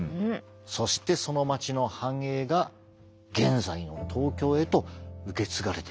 そしてそのまちの繁栄が現在の東京へと受け継がれてきたんですね。